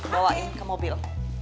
bawain ke mobil